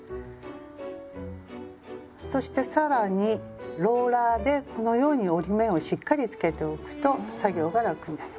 そして更にローラーでこのように折り目をしっかりつけておくと作業が楽になります。